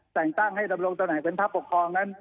แต่งตั้งให้ดำรงตำแหน่งเป็นพระปกครองนั้น